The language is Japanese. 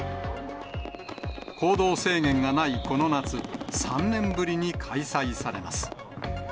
行動制限がないこの夏、３年ぶりに開催されます。